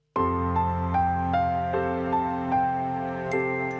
สวัสดีครับ